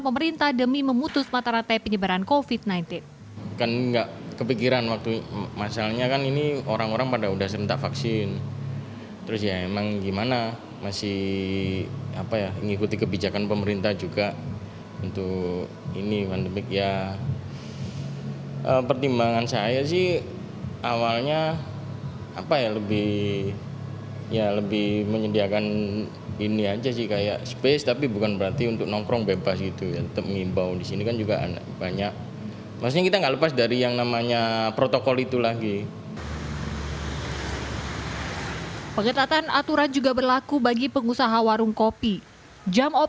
pembangunan pembangunan pembangunan